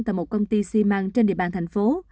tại một công ty xi măng trên địa bàn thành phố